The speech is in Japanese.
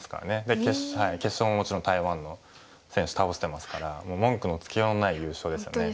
で決勝ももちろん台湾の選手倒してますからもう文句のつけようのない優勝ですよね。